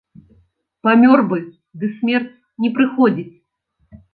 Памёр бы, ды смерць не прыходзіць.